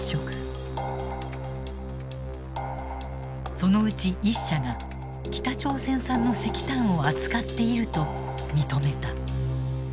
そのうち１社が北朝鮮産の石炭を扱っていると認めた。